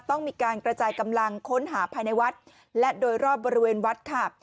ต้องมีการกระจายกำลังค้นหาภายในวัดและโดยรอบบริเวณวัดค่ะ